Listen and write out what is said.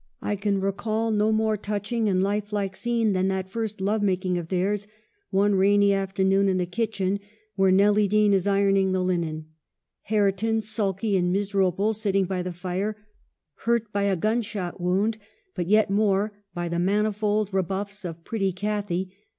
I can recall no more touching and lifelike scene than that first love making of theirs, one rainy after noon, in the kitchen where Nelly Dean is ironing the linen. Hareton, sulky and miserable, sitting by the fire, hurt by a gunshot wound, but yet more by the manifold rebuffs of pretty Cathy.